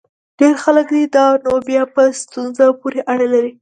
ډېر خلک دي؟ دا نو بیا په ستونزه پورې اړه لري.